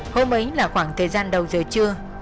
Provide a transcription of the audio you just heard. hôm ấy là khoảng thời gian đầu giờ trưa